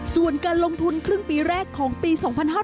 ส่วนการลงทุนครึ่งปีแรกของปี๒๕๕๙